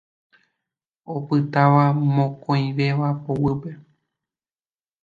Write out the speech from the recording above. Opytáva mokõivéva poguýpe.